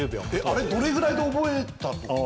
あれどれぐらいで覚えたとかって。